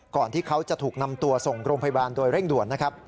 ก่อนที่เขาจะถูกนำตัวส่งโรงพยาบาลโดยเร่งด่วน